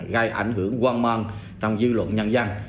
gây ảnh hưởng quang mang trong dư luận nhân dân